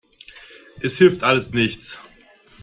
Es hilft alles nichts.